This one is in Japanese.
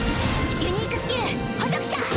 ユニークスキル捕食者！